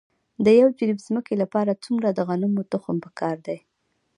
د یو جریب ځمکې لپاره څومره د غنمو تخم پکار دی؟